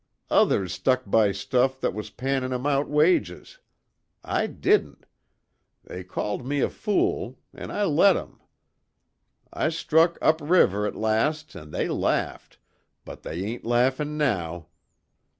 Others stuck by stuff that was pannin' 'em out wages. I didn't. They called me a fool an' I let 'em. I struck up river at last an' they laughed but they ain't laughin' now.